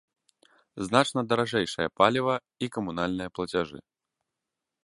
Значна даражэйшае паліва і камунальныя плацяжы.